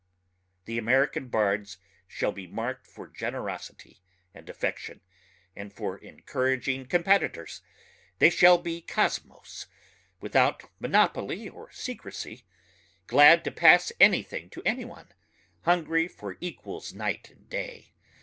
The American bards shall be marked for generosity and affection and for encouraging competitors.... They shall be kosmos ... without monopoly or secrecy ... glad to pass anything to any one ... hungry for equals night and day.